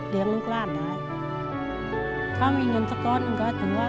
เลี้ยงลูกร้านได้ถ้ามีเงินสักก่อนก็คือว่า